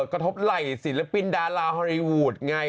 กระทบไหล่ศิลปินดาราฮอลลีวูดไง